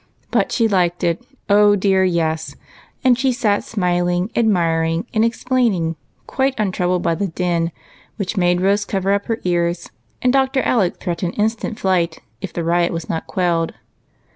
But she liked it ; oh dear, yes ! and sat smiling, admiring, and explaining, quite untroubled by the din, which made Rose cover up her ears and Dr. Alec threaten instant flight if the riot was not quelled.